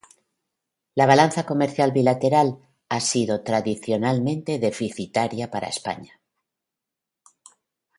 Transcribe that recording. La balanza comercial bilateral ha sido tradicionalmente deficitaria para España.